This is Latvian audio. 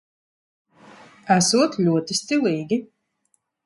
Esot ļoti stilīgi.